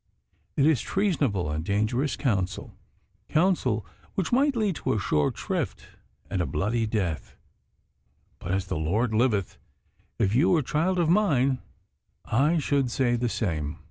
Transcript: It is treasonable and dangerous counsel counsel which might lead to a short shrift and a bloody death but, as the Lord liveth, if you were child of mine I should say the same.